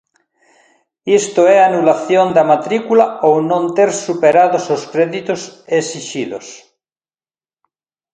Isto é, anulación da matrícula ou non ter superados os créditos exixidos.